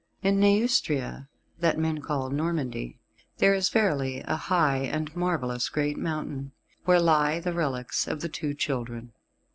In Neustria that men call Normandy there is verily a high and marvellously great mountain, where lie the relics of the Two Children.